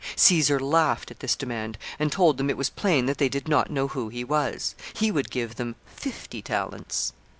Caesar laughed at this demand, and told them it was plain that they did not know who he was, He would give them fifty talents.